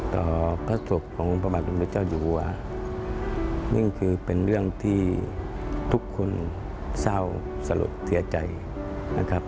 ต่อพระศพของอุปบัติวันเจ้าหญิงคือเป็นเรื่องที่ทุกคนเศร้าสลดเสียใจนะครับ